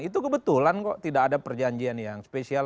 itu kebetulan kok tidak ada perjanjian yang spesial